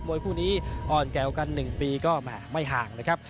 วยคู่นี้อ่อนแก่วกัน๑ปีก็ไม่ห่างเลยครับ